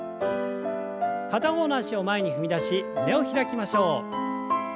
片方の脚を前に踏み出し胸を開きましょう。